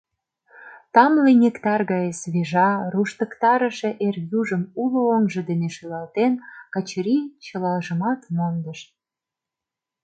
Тамле нектар гае свежа, руштыктарыше эр южым уло оҥжо дене шӱлалтен, Качырий чылажымат мондыш.